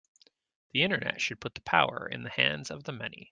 The Internet should put the power in the hands of the many.